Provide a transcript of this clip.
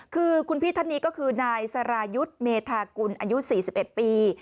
คือคุณพี่ท่านนี้ก็คือนายสรายุทธ์เมธากุลอายุ๔๑ปี